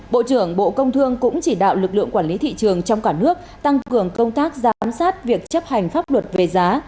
bộ trưởng bộ công thương cũng chỉ đạo lực lượng quản lý thị trường trong cả nước tăng cường công tác giám sát việc chấp hành pháp luật về giá